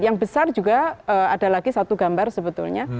yang besar juga ada lagi satu gambar sebetulnya